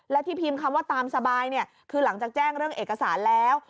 และที่พิมพ์คำว่าตามสบายเนี่ยคือหลังจากแจ้งเรื่องเอกสารแล้ว